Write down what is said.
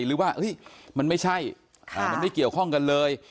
หรือว่ามันไม่ใช่มันไม่เกี่ยวข้องกันเลย